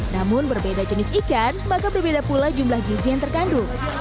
namun berbeda jenis ikan maka berbeda pula jumlah gizi yang terkandung